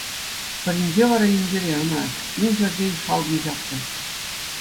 Пӗринче вара Индире ӑна кӗтмен ҫӗртен шалкӑм ҫапрӗ.